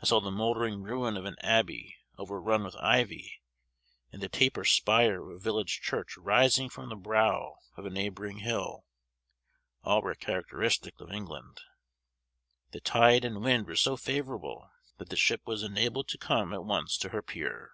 I saw the mouldering ruin of an abbey overrun with ivy, and the taper spire of a village church rising from the brow of a neighboring hill; all were characteristic of England. The tide and wind were so favorable, that the ship was enabled to come at once to her pier.